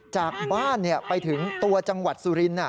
จากบ้านไปถึงตัวจังหวัดสุรินทร์